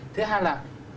thứ hai là